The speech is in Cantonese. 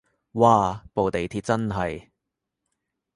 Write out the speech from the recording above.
嘩部地鐵真係